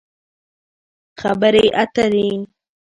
خبرې اترې